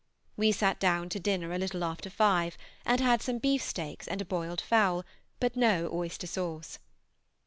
We sate down to dinner a little after five, and had some beef steaks and a boiled fowl, but no oyster sauce.